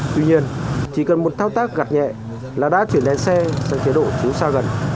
tuy nhiên chỉ cần một thao tác gặt nhẹ là đã chuyển đèn xe sang chế độ chiếu xa gần